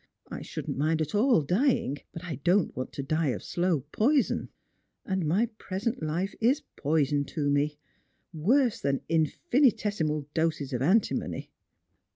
I shouldn't at all mind dying, but I don't want to die of slow poison ; and my present life is poison to me — worse than infinitesimal doses of antimony."